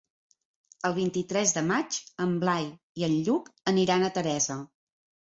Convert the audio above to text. El vint-i-tres de maig en Blai i en Lluc aniran a Teresa.